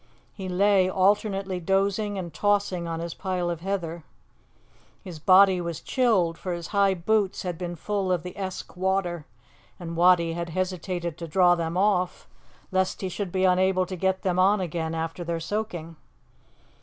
He lay alternately dozing and tossing on his pile of heather. His body was chilled for his high boots had been full of the Esk water, and Wattie had hesitated to draw them off, lest he should be unable to get them on again after their soaking.